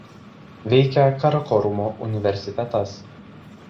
Veikia Karakorumo universitetas.